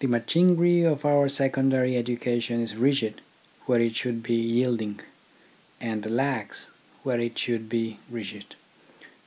The machinery of our secondary education is rigid where it should be yielding, and lax where it should be rigid.